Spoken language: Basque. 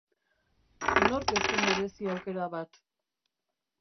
Nork ez du merezi aukera bat?